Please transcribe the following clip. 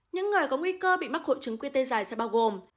những người có nguy cơ bị mắc hộ trứng quy tê dài sẽ bao gồm